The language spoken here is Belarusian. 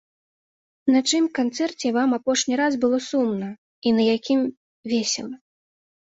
На чыім канцэрце вам апошні раз было сумна, і на якім весела?